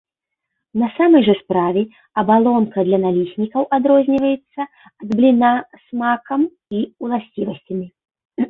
На самай жа справе абалонка для наліснікаў адрозніваецца ад бліна смакам і ўласцівасцямі.